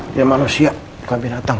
dia manusia bukan binatang